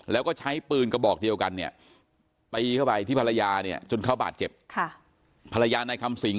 แล้วไปไปอีกไปที่ภรรยาเนี่ยจนเข้าบาดเจ็บภรรยาในคำสิงห์